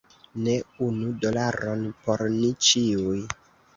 Ne, unu dolaron por ni ĉiuj.